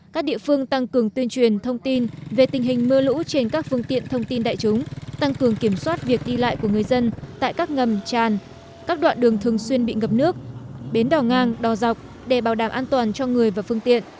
các địa phương tăng cường tuyên truyền thông tin về tình hình mưa lũ trên các phương tiện thông tin đại chúng tăng cường kiểm soát việc đi lại của người dân tại các ngầm tràn các đoạn đường thường xuyên bị ngập nước bến đỏ ngang đỏ dọc để bảo đảm an toàn cho người và phương tiện